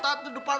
tragis gitu kan